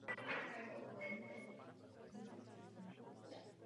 Bylo nahráno v House of Blues v Chicagu.